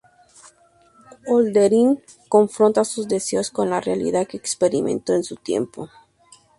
Hölderlin confronta sus deseos con la realidad que experimentó en su tiempo.